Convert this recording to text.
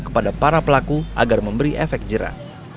kepada para pelaku agar memberi efek jerah